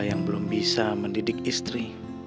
yang belum bisa mendidik istri